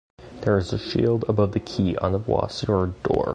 There is a shield above the key on the voussoired door.